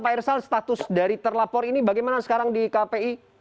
pak irsal status dari terlapor ini bagaimana sekarang di kpi